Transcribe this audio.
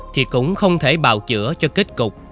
thì cũng không thể bào chữa cho kết cục